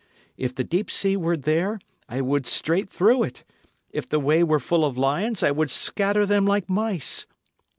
if the deep sea were there, I would straight through it; if the way were full of lions, I would scatter them like mice."